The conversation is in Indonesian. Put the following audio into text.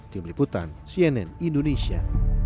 tim liputan cnn indonesia